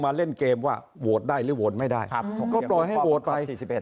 มาเล่นเกมว่าโหทได้หรือโหทไม่ได้เขาก็เป็นสบาทให้